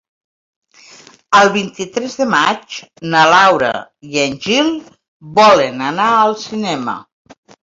El vint-i-tres de maig na Laura i en Gil volen anar al cinema.